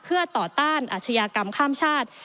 เพื่อต่อต้านอาชญากรรมข้ามชาติ